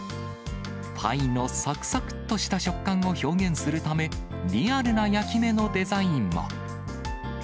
パイのさくさくっとした食感を表現するため、リアルな焼き目のデザインを。